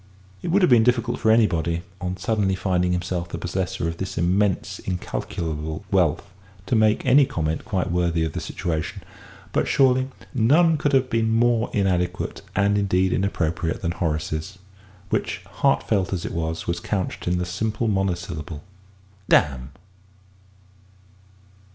It would have been difficult for anybody, on suddenly finding himself the possessor of this immense incalculable wealth, to make any comment quite worthy of the situation, but, surely, none could have been more inadequate and indeed inappropriate than Horace's which, heartfelt as it was, was couched in the simple monosyllable "Damn!"